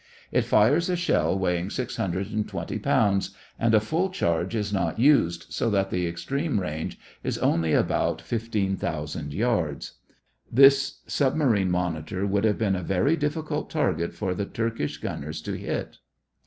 It fires a shell weighing 620 pounds and a full charge is not used, so that the extreme range is only about 15,000 yards. This submarine monitor would have been a very difficult target for the Turkish gunners to hit.